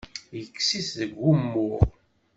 Yekkes-it seg wumuɣ.